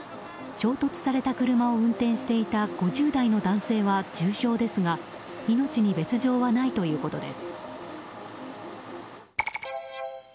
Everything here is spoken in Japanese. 衝突された車を運転していた５０代の男性は重傷ですが命に別条はないということです。